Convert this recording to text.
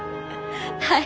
はい。